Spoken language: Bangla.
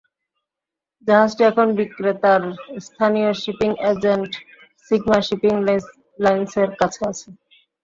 জাহাজটি এখন বিক্রেতার স্থানীয় শিপিং এজেন্ট সিগমা শিপিং লাইনসের কাছে আছে।